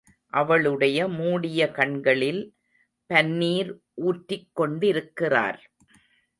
அவளுடைய மூடிய கண்களில் பன்னீர் ஊற்றிக் கொண்டிருக்கிறார்.